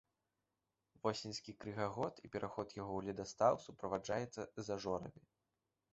Восеньскі крыгаход і пераход яго ў ледастаў суправаджаецца зажорамі.